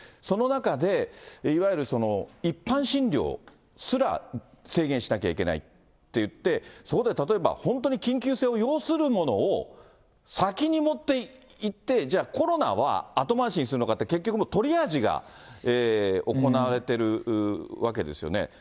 その中で、いわゆる一般診療すら制限しなきゃいけないっていって、そこで例えば、本当に緊急性を要するものを先に持っていって、じゃあ、コロナは後回しにするのかって、結局トリアージが行われているわけですよね。